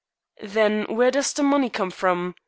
"Then where does the money come from?